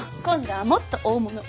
今度はもっと大物。